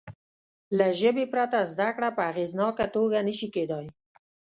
له ژبې پرته زده کړه په اغېزناکه توګه نه شي کېدای.